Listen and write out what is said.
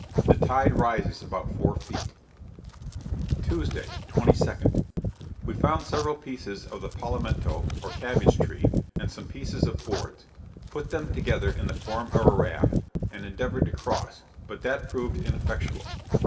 The tide rises about four feet. Tuesday, 22d. We found several pieces of the palmetto or cabbage tree, and some pieces of boards, put them together in the form of a raft, and endeavored to cross, but that proved ineffectual.